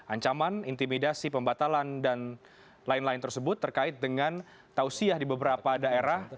ancaman intimidasi pembatalan dan lain lain tersebut terkait dengan tausiah di beberapa daerah